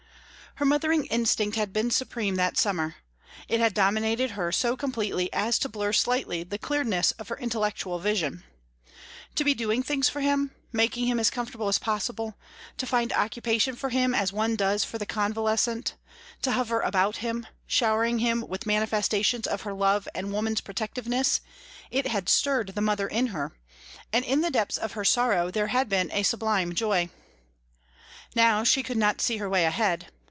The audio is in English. Her mothering instinct had been supreme that summer. It had dominated her so completely as to blur slightly the clearness of her intellectual vision. To be doing things for him, making him as comfortable as possible, to find occupation for him as one does for the convalescent, to hover about him, showering him with manifestations of her love and woman's protectiveness it had stirred the mother in her, and in the depths of her sorrow there had been a sublime joy. Now she could not see her way ahead.